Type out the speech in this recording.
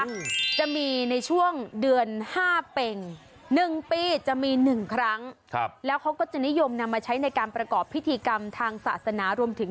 อืมจะมีในช่วงเดือนห้าเป็งหนึ่งปีจะมีหนึ่งครั้งครับแล้วเขาก็จะนิยมนำมาใช้ในการประกอบพิธีกรรมทางศาสนารวมถึง